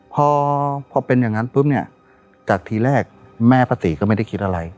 พอพอเป็นอย่างนั้นปุ๊บเนี่ยจากทีแรกแม่พระศรีก็ไม่ได้คิดอะไร